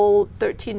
có bốn thời gian